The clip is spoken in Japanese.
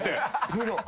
プロ。